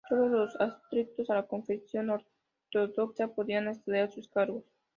Solo los adscritos a la confesión ortodoxa podían acceder a sus cargos.